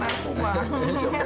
gampang gombal aku banget